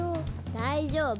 大丈夫。